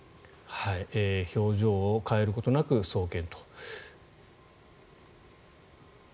表情を変えることなく送検と。